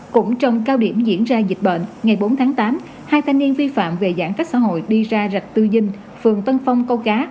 cũng trong cao điểm diễn ra dịch bệnh ngày bốn tháng tám hai thanh niên vi phạm về giãn cách xã hội đi ra rạch tư dinh phường tân phong câu cá